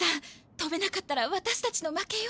とべなかったらわたしたちの負けよ。